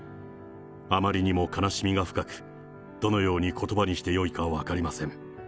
あまりにも悲しみが深く、どのようにことばにしてよいか分かりません。